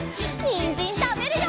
にんじんたべるよ！